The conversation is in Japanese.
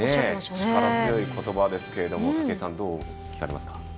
力強いことばでしたけど武井さん、どう聞かれますか。